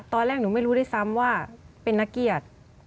ตอนแรกหนูไม่รู้ด้วยซ้ำว่าเป็นนักเกียรติ